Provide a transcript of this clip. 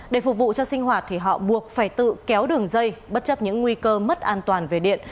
để phục vụ cho sinh hoạt thì họ buộc phải tự kéo đường dây bất chấp những nguy cơ mất an toàn về điện